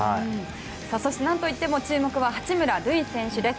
そして何といっても注目は八村塁選手です。